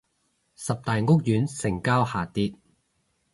十大屋苑成交下跌